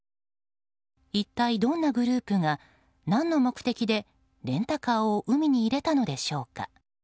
一体、どんなグループが何の目的でレンタカーを海に入れたのでしょうか。